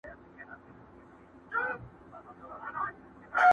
د جرګو ورته راتلله رپوټونه؛